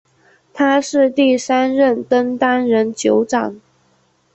他是第三任登丹人酋长。